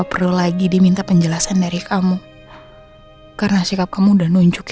baru tak pernah sudah